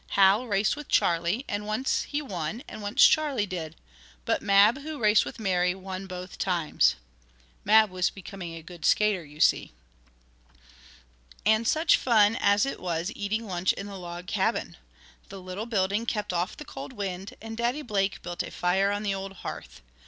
Hal raced with Charlie, and once he won, and once Charlie did. But Mab, who raced with Mary, won both times. Mab was becoming a good skater, you see. And such fun as it was eating lunch in the log cabin. The little building kept off the cold wind, and Daddy Blake built a fire on the old hearth.